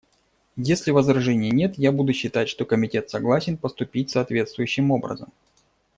Если возражений нет, я буду считать, что Комитет согласен поступить соответствующим образом.